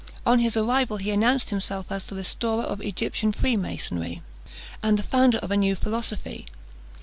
On his arrival he announced himself as the restorer of Egyptian Freemasonry, and the founder of a new philosophy.